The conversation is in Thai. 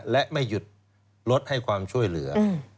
และไม่หยุดรถให้ความช่วยเหลือ